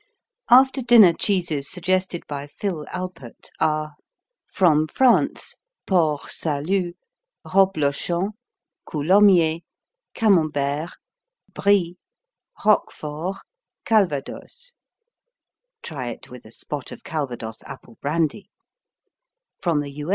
After dinner cheeses suggested by Phil Alpert are: FROM FRANCE: Port Salut, Roblochon, Coulommiers, Camembert, Brie, Roquefort, Calvados (try it with a spot of Calvados, apple brandy) FROM THE U.